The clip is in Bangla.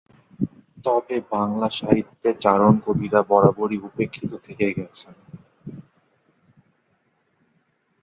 তবে বাংলা সাহিত্যে চারণ কবিরা বরাবরই উপেক্ষিত থেকে গেছেন।